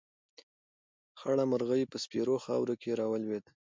خړه مرغۍ په سپېرو خاورو کې راولوېده.